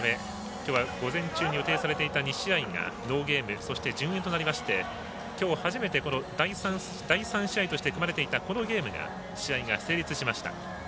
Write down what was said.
きょうは午前中に予定されていた２試合がノーゲームそして順延となりましてきょう、初めて第３試合として組まれていた試合が成立しました。